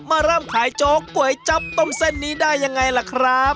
มาเริ่มขายโจ๊กก๋วยจับต้มเส้นนี้ได้ยังไงล่ะครับ